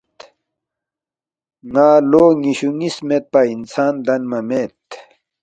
ن٘ا لو نِ٘یشُو نِ٘یس لہ میدپا انسان لدنمہ مید